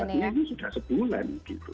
artinya ini sudah sebulan gitu